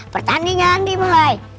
pertandingan nih boy